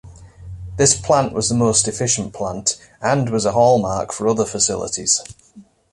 This plant was the most efficient plant and was a hallmark for other facilities.